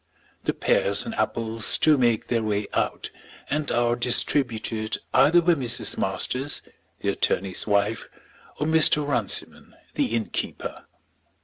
The pears and apples do make their way out, and are distributed either by Mrs. Masters, the attorney's wife, or Mr. Runciman, the innkeeper.